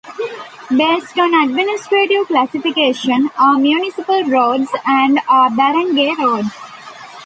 Based on administrative classification, are municipal roads and are barangay roads.